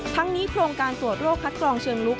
ทั้งนี้โครงการตรวจโรคคัดกรองเชิงลุก